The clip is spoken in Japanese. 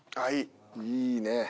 いいね。